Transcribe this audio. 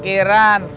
gue di parkiran